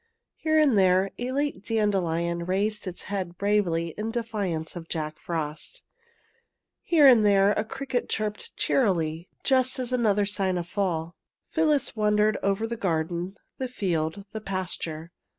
Here and there a late dandelion raised its head bravely in defiance of Jack Frost. Here and there a cricket chirped cheerily just as another sign of fall. Phyllis wandered over the garden, the field, the pasture.